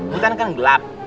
hutan kan gelap